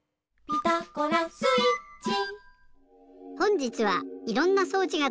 「ピタゴラスイッチ」